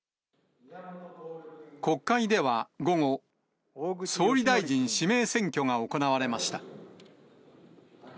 国会では午後、総理大臣指名選挙が行われました。